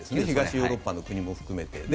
東ヨーロッパの国も含めて。